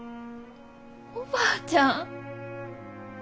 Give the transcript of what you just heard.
おばあちゃん。